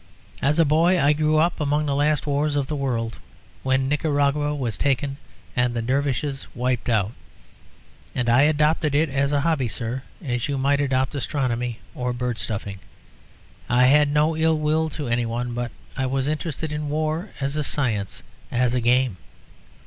As a boy, I grew up among the last wars of the world, when Nicaragua was taken and the dervishes wiped out. And I adopted it as a hobby, sir, as you might adopt astronomy or bird stuffing. I had no ill will to any one, but I was interested in war as a science, as a game.